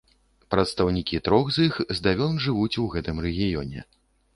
Прадстаўнікі трох з іх здавён жывуць у гэтым рэгіёне.